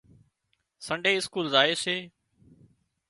سنڊي اسڪول زائي سي